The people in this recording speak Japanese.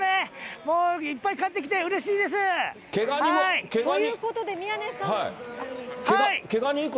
もういっぱい買っていただいてうれしいです。ということで宮根さん。